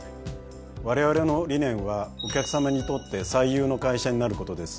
われわれの理念は「お客さまにとって最優の会社」になることです。